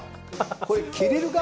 これ切れるか？